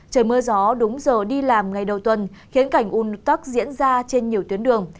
trời mưa gió đúng giờ đi làm ngày đầu tuần khiến cảnh un tắc diễn ra trên nhiều tuyến đường